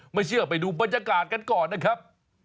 ไม่เชื่อไปดูบรรยากาศกันก่อนนะครับ